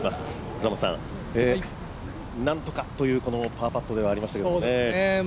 倉本さん、なんとかというこのパーパットではありましたけどね。